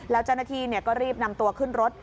แล้วเจ้าหน้าที่ก็รีบนำตัวขึ้นรถ